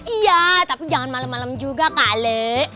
iya tapi jangan malem malem juga kak ale